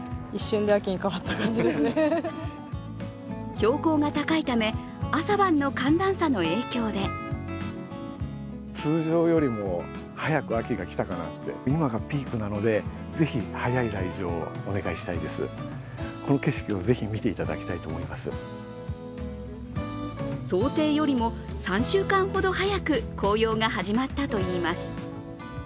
標高が高いため、朝晩の寒暖差の影響で想定よりも３週間ほど早く紅葉が始まったといいます。